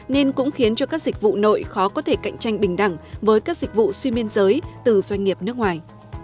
nên cũng khiến cho các dịch vụ nội khó có thể cạnh tranh bình đẳng với các dịch vụ suy miên giới từ doanh nghiệp nước ngoài